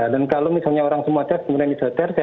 dan kalau misalnya orang semua tes kemudian isoter